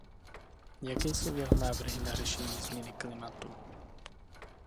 Jaké jsou jeho návrhy na řešení změny klimatu?